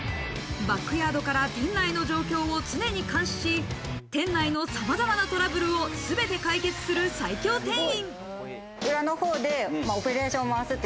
バックヤードから店内の状況を常に監視し、店内のさまざまなトラブルをすべて解決する最強店員。